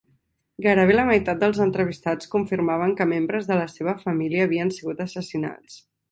Gairebé la meitat dels entrevistats confirmaven que membres de la seva família havien sigut assassinats.